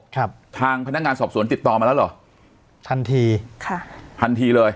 ครับทางพนักงานสอบสวนติดต่อมาแล้วเหรอทันทีค่ะทันทีเลย